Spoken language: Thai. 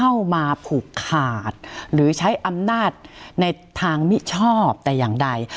เข้ามาผูกขาดหรือใช้อำนาจในทางมิชอบแต่อย่างใด